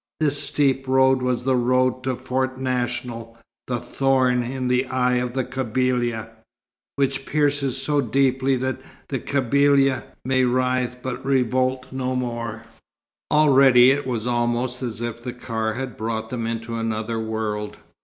This steep road was the road to Fort National the "thorn in the eye of Kabylia," which pierces so deeply that Kabylia may writhe, but revolt no more. Already it was almost as if the car had brought them into another world.